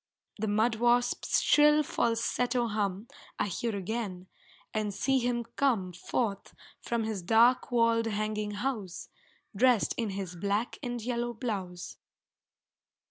The mud wasp's shrill falsetto hum I hear again, and see him come Forth from his dark walled hanging house, Dressed in his black and yellow blouse.